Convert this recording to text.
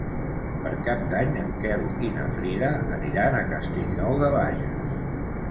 Per Cap d'Any en Quel i na Frida aniran a Castellnou de Bages.